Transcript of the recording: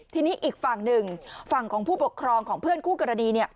ทีนี้อีกฝั่งหนึ่งฝั่งของผู้ปกครองของเพื่อนคู่กรณี